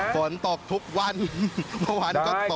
ฝนตกทุกวันวันก็ตก